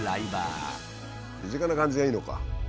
身近な感じがいいのか。